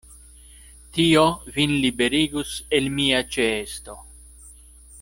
Tio vin liberigus el mia ĉeesto.